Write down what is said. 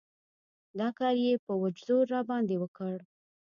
دا کار يې په وچ زور راباندې وکړ.